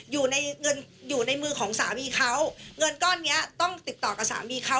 อยู่ในเงินอยู่ในมือของสามีเขาเงินก้อนเนี้ยต้องติดต่อกับสามีเขา